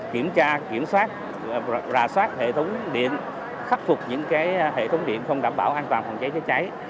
kiểm tra kiểm soát rà soát hệ thống điện khắc phục những hệ thống điện không đảm bảo an toàn phòng cháy cháy cháy